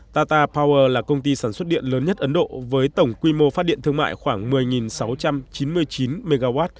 tata power là công ty sản xuất điện lớn nhất ấn độ với tổng quy mô phát điện thương mại khoảng một mươi sáu trăm chín mươi chín mw